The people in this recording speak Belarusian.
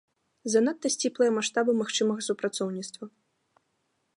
Занадта сціплыя маштабы магчымага супрацоўніцтва.